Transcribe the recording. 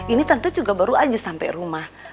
ini tante juga baru aja sampe rumah